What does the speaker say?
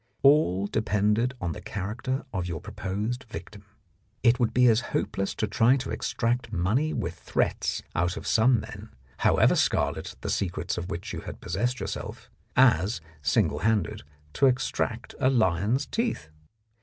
All depended on the character of your proposed victim. It would be as hopeless to try to extract money with threats out of some men, however scarlet the secrets of which you had possessed yourself, as, singlehanded, to extract a lion's teeth.